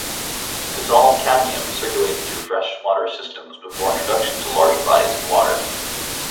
Dissolved cadmium circulates through freshwater systems before introduction to larger bodies of water.